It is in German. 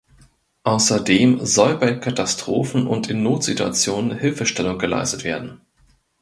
Außerdem soll bei Katastrophen und in Notsituationen Hilfestellung geleistet werden.